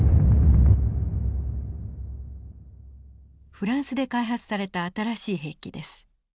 フランスで開発された新しい兵器です。